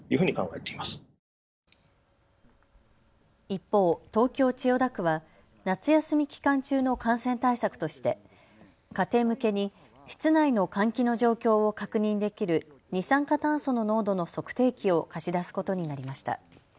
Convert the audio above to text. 一方、東京千代田区は夏休み期間中の感染対策として家庭向けに室内の換気の状況を確認できる二酸化炭素の濃度の測定器を貸し出すことになりました。